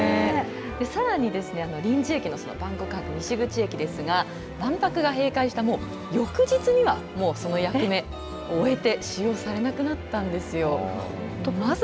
さらにですね、臨時駅の万国博西口駅ですが万博が閉会した翌日には、その役目を終えて使用されなくなったんですよ。